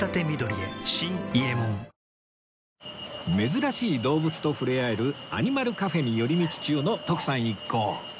珍しい動物と触れ合えるアニマルカフェに寄り道中の徳さん一行